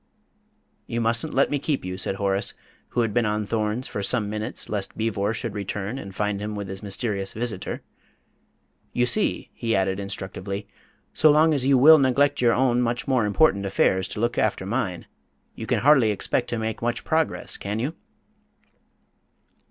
"You mustn't let me keep you," said Horace, who had been on thorns for some minutes lest Beevor should return and find him with his mysterious visitor. "You see," he added instructively, "so long as you will neglect your own much more important affairs to look after mine, you can hardly expect to make much progress, can you?"